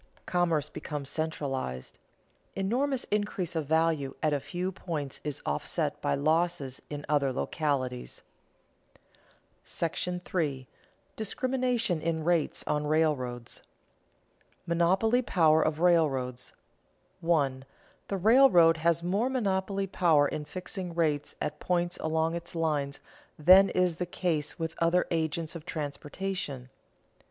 Commerce becomes centralized. Enormous increase of value at a few points is offset by losses in other localities. § III. DISCRIMINATION IN RATES ON RAILROADS [Sidenote: Monopoly power of railroads] 1. _The railroad has more monopoly power in fixing rates at points along its lines than is the case with other agents of transportation.